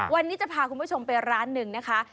วันนี้จะพาคุณผู้ชมไปร้านหนึ่งนะคะ